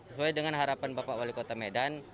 sesuai dengan harapan bapak wali kota medan